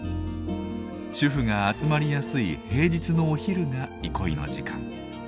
主婦が集まりやすい平日のお昼が憩いの時間。